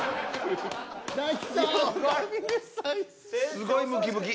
すごいムキムキ。